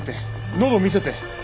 喉を見せて！